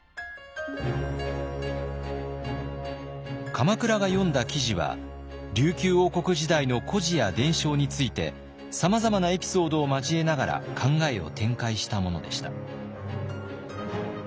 鎌倉が読んだ記事は琉球王国時代の故事や伝承についてさまざまなエピソードを交えながら考えを展開したものでした。